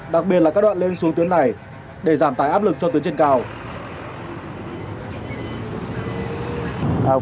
đặc biệt là các đoạn lên xuống tuyến này để giảm tải áp lực cho tuyến trên cao